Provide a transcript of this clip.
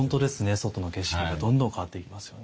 外の景色がどんどん変わっていきますよね。